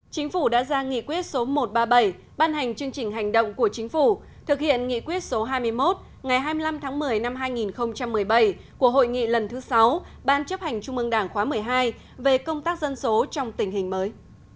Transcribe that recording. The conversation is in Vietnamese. chính phủ đã ra nghị quyết số một trăm ba mươi bảy ban hành chương trình hành động của chính phủ thực hiện nghị quyết số hai mươi một ngày hai mươi năm tháng một mươi năm hai nghìn một mươi bảy của hội nghị lần thứ sáu ban chấp hành trung ương đảng khóa một mươi hai về công tác dân số trong tình hình mới